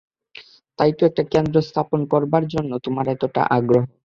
তাই তো একটা কেন্দ্র স্থাপন করবার জন্য আমার এতটা আগ্রহ।